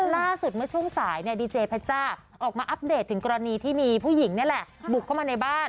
ล่าสุดเมื่อช่วงสายเนี่ยดีเจเพชจ้าออกมาอัปเดตถึงกรณีที่มีผู้หญิงนี่แหละบุกเข้ามาในบ้าน